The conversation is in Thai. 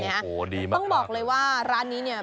โอ้โหดีมากต้องบอกเลยว่าร้านนี้เนี่ย